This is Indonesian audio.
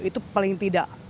itu paling tidak